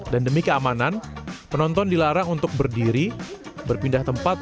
dan demi keamanan penonton dilarang untuk berdiri berpindah tempat